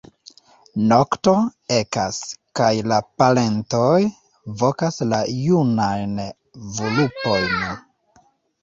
Nokto ekas, kaj la parentoj vokas la junajn vulpojn.